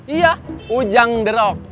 iya ujang derog